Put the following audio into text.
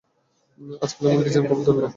আজকাল এমন ডিজাইন খুব দুর্লভ।